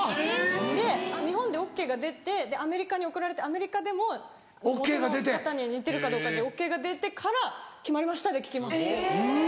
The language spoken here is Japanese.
で日本でＯＫが出てアメリカに送られてアメリカでももとの方に似てるかどうかでＯＫが出てから「決まりました」で聞きまして。